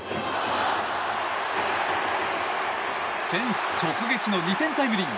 フェンス直撃の２点タイムリー。